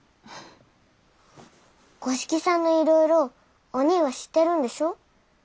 五色さんのいろいろおにぃは知ってるんでしょう？